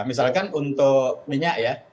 misalkan untuk minyak ya